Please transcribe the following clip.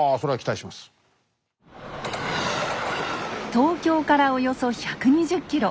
東京からおよそ１２０ｋｍ。